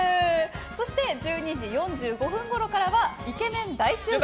そして１２時４５分ごろからはイケメン大集合！